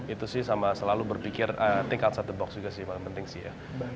itu sih sama selalu berpikir take outs ot the box juga sih paling penting sih ya